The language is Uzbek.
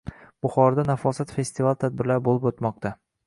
Buxoroda “Nafosat” festivali tadbirlari bo‘lib o‘tmoqda